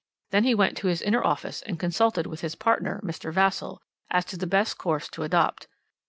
Then he went to his inner office and consulted with his partner, Mr. Vassall, as to the best course to adopt.